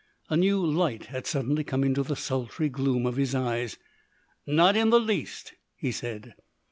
A new light had suddenly come into the sultry gloom of his eyes. "Not in the least," he said.